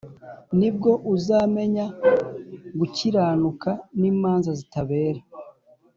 Ni bwo uzamenya gukiranuka n imanza zitabera